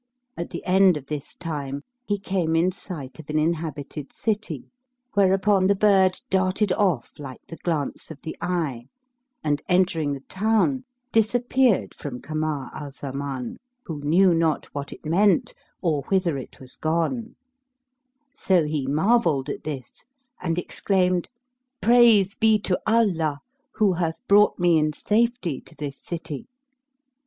At the end of this time, he came in sight of an inhabited city, whereupon the bird darted off like the glance of the eye and, entering the town, disappeared from Kamar al Zaman, who knew not what it meant or whither it was gone; so he marvelled at this and exclaimed, "Praise be to Allah who hath brought me in safety to this city!"